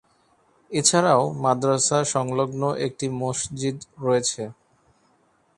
এছাড়াও মাদ্রাসা সংলগ্ন একটি মসজিদ রয়েছে।